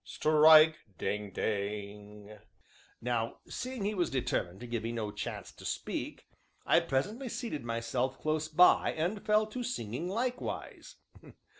Strike! ding! ding!" Now seeing he was determined to give me no chance to speak, I presently seated myself close by, and fell to singing likewise.